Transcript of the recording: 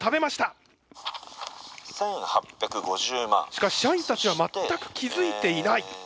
しかし社員たちは全く気付いていない！